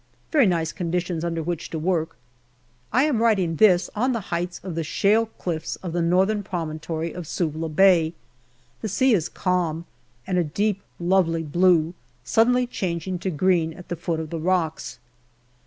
Very nice conditions under which to work. I am writing this on the heights of the shale cliffs of the northern promontory of Suvla Bay. The sea is calm and a deep, lovely blue, suddenly changing to green at the foot of the rocks.